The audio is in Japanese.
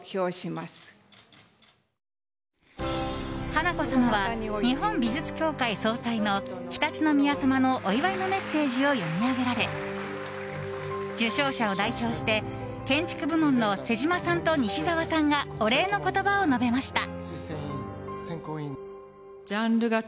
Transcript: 華子さまは日本美術協会総裁の常陸宮さまのお祝いのメッセージを読み上げられ、受賞者を代表して建築部門の妹島さんと西沢さんがお礼の言葉を述べました。